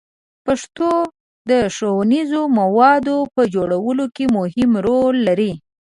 پښتو د ښوونیزو موادو په جوړولو کې مهم رول لري.